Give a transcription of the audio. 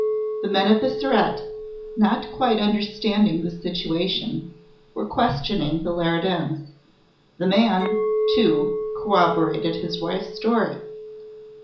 The men of the Surete, not quite understanding the situation, were questioning the Leridans. The man, too, corroborated his wife's story.